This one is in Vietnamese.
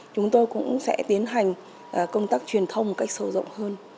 chúng tôi cũng sẽ tiến hành công tác truyền thông một cách sâu rộng hơn